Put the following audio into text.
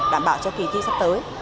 đảm bảo cho kỳ thi sắp tới